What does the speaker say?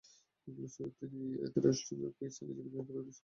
তিনি অ্যাথারস্টনের Queen Elizabeth ব্যাকরণ স্কুলে পড়াশোনা করেছেন।